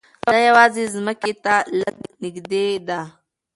دا یوازې ځمکې ته لږ نږدې ده.